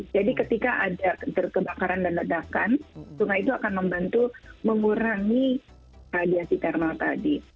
jadi ketika ada terbakaran dan ledakan sungai itu akan membantu mengurangi radiasi thermal tadi